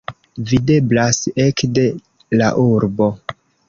Videblas ekde la urbo.